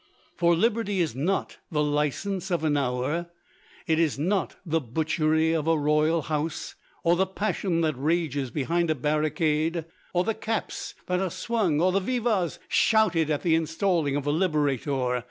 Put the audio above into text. For liberty is not the license of an hour; it is not the butchery of a royal house, or the passion that rages behind a barricade, or the caps that are swung or the vivas shouted at the installing of a liberator.